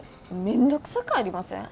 めんどくさくありません？